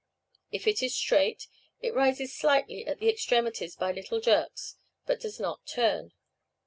If it is straight, it rises slightly at the extremities by little jerks, but does not turn.